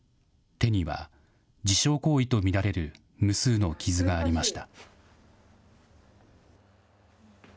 手には、自傷行為と見られる無数の傷がありました。